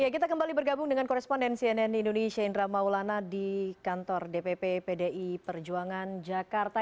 kita kembali bergabung dengan koresponden cnn indonesia indra maulana di kantor dpp pdi perjuangan jakarta